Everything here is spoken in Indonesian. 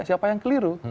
siapa yang keliru